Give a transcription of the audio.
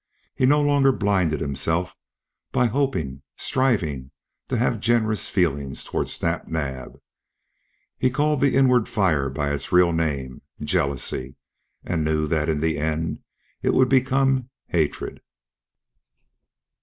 He no longer blinded himself by hoping, striving to have generous feelings toward Snap Naab; he called the inward fire by its real name jealousy and knew that in the end it would become hatred.